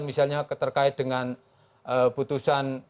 misalnya terkait dengan putusan